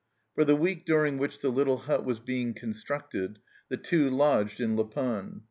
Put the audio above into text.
For the week during which the little hut was being constructed the Two lodged in La Panne.